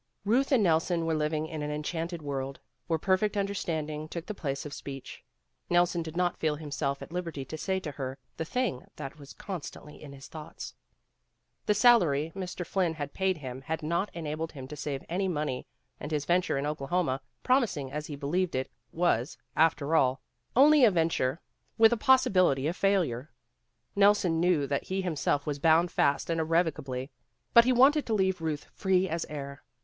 Ruth and Nelson were living in an enchanted world, where perfect understanding took the place of speech. Nelson did not feel himself at liberty to say to her the thing that was con stantly in his thoughts. The salary Mr. Flynn had paid him had not enabled him to save any money, and his venture in Oklahoma, promising as he believed it, was, after all, only a venture, with a possibility of failure. Nelson knew that he himself was bound fast and irrevocably, but he wanted to leave Euth free as air.